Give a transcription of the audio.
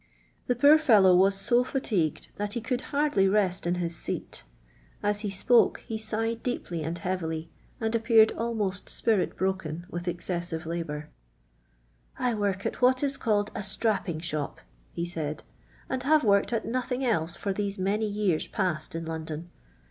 The poor fellow was lo fatigued that he could hardly rest in his seat Ai he spoke he sighed deeply and heavily, and appeared almost spirit broken with excessive labour :—*' I work at wh.':t is called a strapping ihop, he said, '* and have worked at nothing else for these many years past in London.